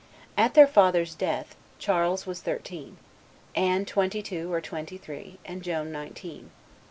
At their father's death, Charles was thirteen; Anne twenty two or twenty three; and Joan nineteen.